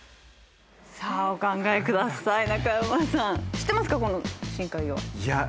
さあお考えください。